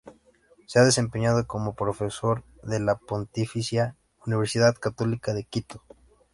Se ha desempeñado como profesor de la Pontificia Universidad Católica de Quito.